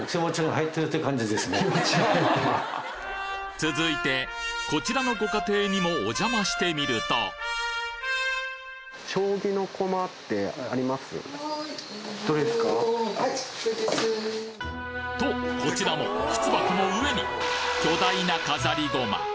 続いてこちらのご家庭にもお邪魔してみるとどれですか？とこちらも靴箱の上に巨大な飾り駒！